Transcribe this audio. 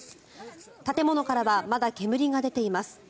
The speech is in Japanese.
建物からはまだ煙が出ています。